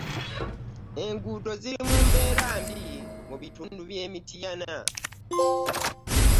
Enguddo ziri mu mbeera mbi mu bitundu bye Mityana.